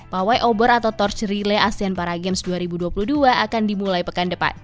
pawai obor atau torch relay asean para games dua ribu dua puluh dua akan dimulai pekan depan